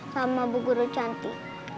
sama bu guru cantik